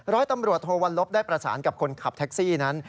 ร้อยตำรวจโทวัลลบได้ประสานกับคนขับแท็กซี่นั้น